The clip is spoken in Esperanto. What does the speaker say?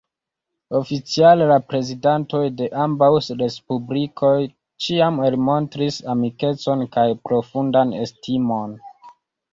Oficiale la prezidantoj de ambaŭ respublikoj ĉiam elmontris amikecon kaj profundan estimon.